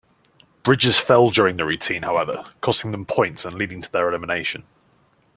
Bridges fell during the routine, however, costing them points and leading to their elimination.